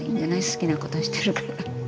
好きなことしてるから。